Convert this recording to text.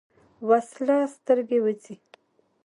وسله سترګې وځي